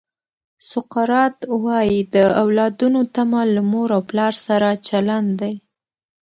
سقراط وایي د اولادونو تمه له مور او پلار سره چلند دی.